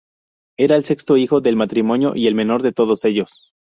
Era el sexto hijo del matrimonio y el menor de todos ellos.